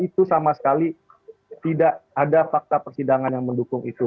itu sama sekali tidak ada fakta persidangan yang mendukung itu